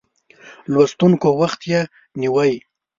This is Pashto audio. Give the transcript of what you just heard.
لوستونکو وخت یې نیوی.